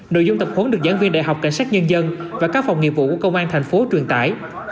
nội dung tập huấn được giảng viên đại học cảnh sát nhân dân và các phòng nghiệp vụ của công an thành phố truyền tải